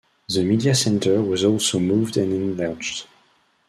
The media center was also moved and enlarged.